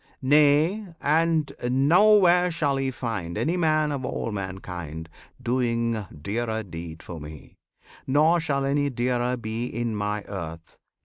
Nay, and nowhere shall ye find Any man of all mankind Doing dearer deed for Me; Nor shall any dearer be In My earth.